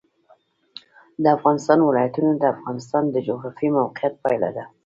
د افغانستان ولايتونه د افغانستان د جغرافیایي موقیعت پایله ده.